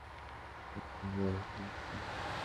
আমাকে অ্যাক্সেস দাও।